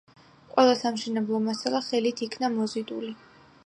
ყველა სამშენებლო მასალა ხელით იქნა მოზიდული.